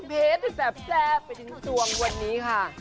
ไปทิ้งสวงวันนี้ค่ะ